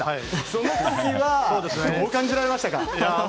その時はどう感じられましたか。